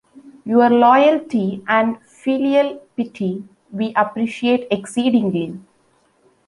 Your loyalty and filial piety we appreciate exceedingly.